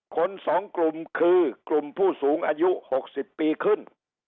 คนสองกลุ่มคือกลุ่มผู้สูงอายุหกสิบปีขึ้น